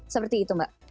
seperti itu mbak